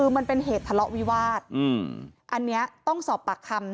มันเป็นเหตุทะเลาะวิวาสอันนี้ต้องสอบปากคำ